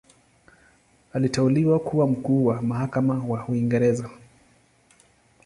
Aliteuliwa kuwa Mkuu wa Mahakama wa Uingereza.